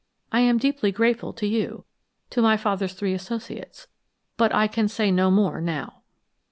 I am deeply grateful to you, to my father's three associates, but I can say no more now."